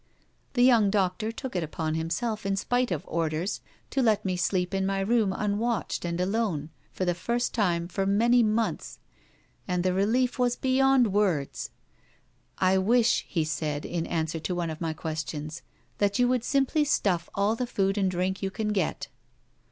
The young doctor took it upon himself, in spite of orders, to let me sleep in my room unwatched and alone, for the first time for many months; and the relief was beyond words. 'I wish,' he said, in answer to one of my questions, 'that you would simply stuff all the food and drink you can get.'